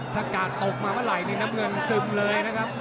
ถ้ากาดตกมาเมื่อไหร่นี่น้ำเงินซึมเลยนะครับ